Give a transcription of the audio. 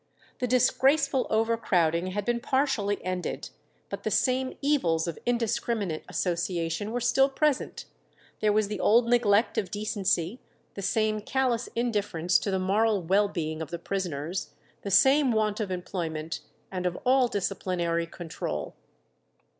The disgraceful overcrowding had been partially ended, but the same evils of indiscriminate association were still present; there was the old neglect of decency, the same callous indifference to the moral well being of the prisoners, the same want of employment and of all disciplinary control.